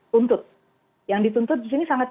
tuntut yang dituntut disini sangat